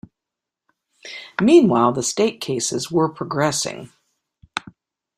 Meanwhile, the state cases were progressing.